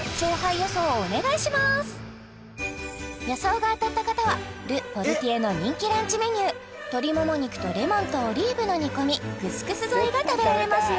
予想が当たった方はＬＥＰＯＲＴＩＥＲの人気ランチメニュー鶏モモ肉とレモンとオリーブの煮込みクスクス添えが食べられますよ